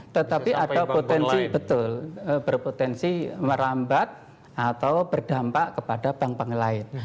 tetapi ada potensi betul berpotensi merambat atau berdampak kepada bank bank lain